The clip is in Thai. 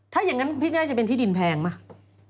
ถ้าอย่างนั้นพี่น่าจะเป็นที่ดินแพงไหม